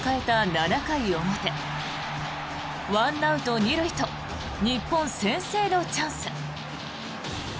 ７回表１アウト２塁と日本、先制のチャンス。